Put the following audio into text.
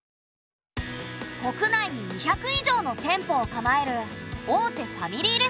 国内に２００以上の店舗を構える大手ファミリーレストラン。